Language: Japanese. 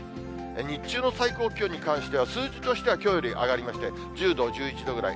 日中の最高気温に関しては、数字としてはきょうより上がりまして、１０度、１１度ぐらい。